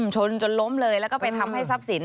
ชนจนล้มเลยแล้วก็ไปทำให้ทรัพย์สิน